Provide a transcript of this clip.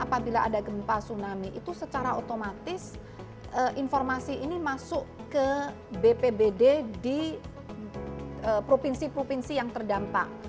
apabila ada gempa tsunami itu secara otomatis informasi ini masuk ke bpbd di provinsi provinsi yang terdampak